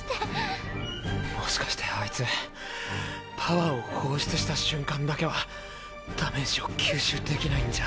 もしかしてあいつパワーを放出した瞬間だけはダメージを吸収できないんじゃ。